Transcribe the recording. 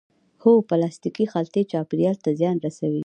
هو، پلاستیکی خلطی چاپیریال ته زیان رسوی